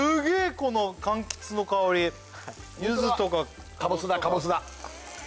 この柑橘の香りゆずとかかぼすだかぼすだ